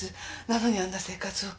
なのにあんな生活を。